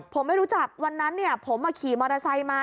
ผมไม่รู้จักวันนั้นผมขี่มอเตอร์ไซค์มา